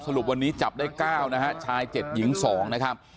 รุปวันนี้จับได้๙นะฮะชาย๗หญิง๒นะครับ